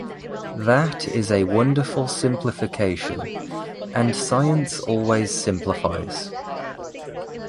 That is a wonderful simplification, and science always simplifies.